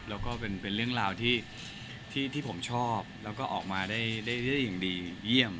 แล้วก็เป็นเรื่องราวที่ผมชอบแล้วก็ออกมาได้อย่างดีเยี่ยม